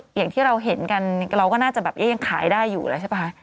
อย่างที่เราเห็นกันเราก็น่าจะแบบยังขายได้อยู่แล้วใช่ป่ะคะ